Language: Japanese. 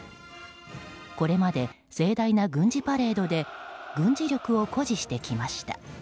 これまで、盛大な軍事パレードで軍事力を誇示してきました。